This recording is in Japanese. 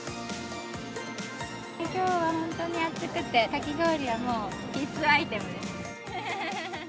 きょうは本当に暑くて、かき氷がもう必須アイテムです。